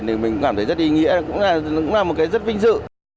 thì mình cảm thấy rất ý nghĩa cũng là một cái rất vinh dự